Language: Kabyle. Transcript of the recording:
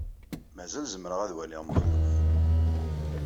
Mazal zemreɣ ad waliɣ Mexluf.